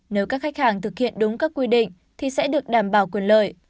nếu các khách hàng thực hiện đúng các quy định thì sẽ được đảm bảo quyền lợi